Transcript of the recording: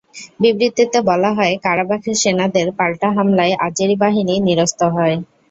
বিবৃতিতে বলা হয়, কারাবাখের সেনাদের পাল্টা হামলায় আজেরি বাহিনী নিরস্ত হয়।